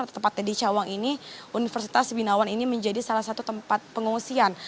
atau tepatnya di cawang ini universitas binawan ini menjadi salah satu tempat pengungsian